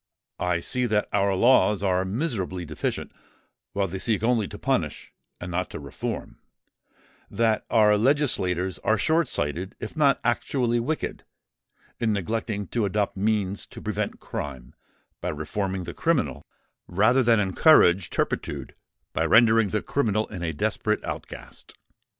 I see that our laws are miserably deficient, while they seek only to punish and not to reform—that our legislators are short sighted if not actually wicked, in neglecting to adopt means to prevent crime by reforming the criminal, rather than encourage turpitude by rendering the criminal a desperate outcast."